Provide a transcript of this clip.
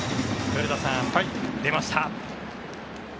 古田さん、出ました。